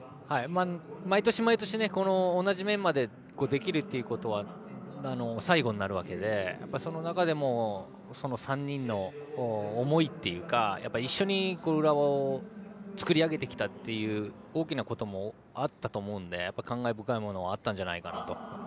毎年毎年、同じメンバーでできるということは最後になるわけでその中でも、３人の思いというか一緒に浦和を作り上げてきたという大きなこともあったと思うので感慨深いものはあったんじゃないかなと。